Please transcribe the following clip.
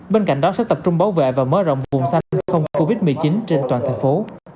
bên cạnh đó sẽ tập trung bảo vệ và mở rộng vùng xanh không covid một mươi chín trên toàn thành phố